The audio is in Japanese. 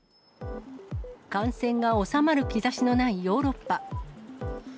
感染が収まる兆しのないヨーロッパ。